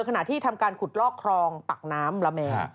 ขณะที่ทำการขุดลอกครองปักน้ำละแม